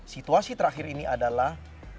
situasi terakhir ini adalah